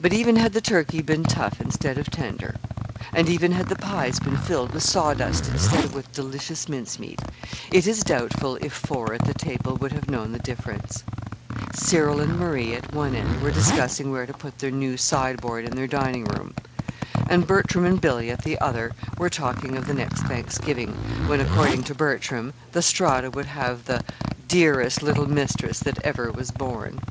But even had the turkey been tough instead of tender, and even had the pies been filled with sawdust instead of with delicious mincemeat, it is doubtful if four at the table would have known the difference: Cyril and Marie at one end were discussing where to put their new sideboard in their dining room, and Bertram and Billy at the other were talking of the next Thanksgiving, when, according to Bertram, the Strata would have the "dearest little mistress that ever was born."